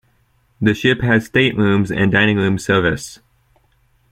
The ship has staterooms and dining room service.